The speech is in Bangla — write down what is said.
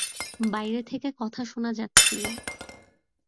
বাইরে থেকে কথা শোনা যাচ্ছিল।